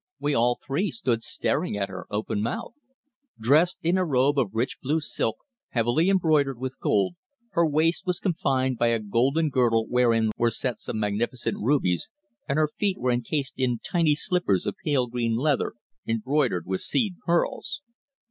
We all three stood staring at her open mouthed. Dressed in a robe of rich blue silk heavily embroidered with gold, her waist was confined by a golden girdle wherein were set some magnificent rubies, and her feet were encased in tiny slippers of pale green leather embroidered with seed pearls.